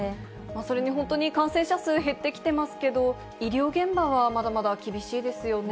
それに本当に感染者数、減ってきてますけど、医療現場はまだまだ厳しいですよね。